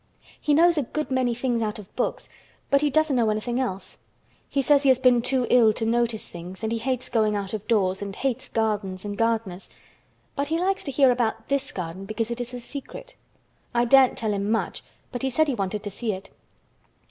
"He knows a good many things out of books but he doesn't know anything else. He says he has been too ill to notice things and he hates going out of doors and hates gardens and gardeners. But he likes to hear about this garden because it is a secret. I daren't tell him much but he said he wanted to see it."